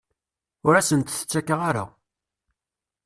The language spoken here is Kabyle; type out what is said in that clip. Ur asent-t-ttakkeɣ ara.